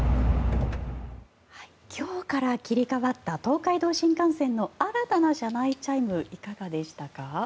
今日から切り替わった東海道新幹線の新たな車内チャイムいかがでしたか？